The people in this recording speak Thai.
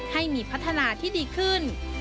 ให้มีพัฒนาที่ดีขึ้น